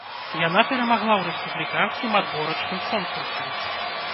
Яна перамагла ў рэспубліканскім адборачным конкурсе.